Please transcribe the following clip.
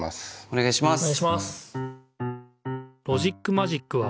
おねがいします。